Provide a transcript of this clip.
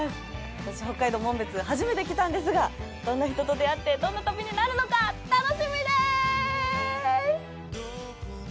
私、北海道・紋別、初めて来たんですがどんな人と出会ってどんな旅になるのか楽しみです！